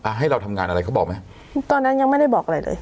ให้เราทำงานอะไรเขาบอกไหมตอนนั้นยังไม่ได้บอกอะไรเลย